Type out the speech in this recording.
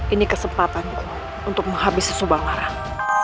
ini kesempatan untuk menghabisi subang larang